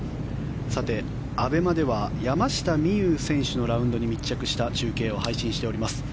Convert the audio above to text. ＡＢＥＭＡでは山下美夢有選手のラウンドに密着した中継を配信しています。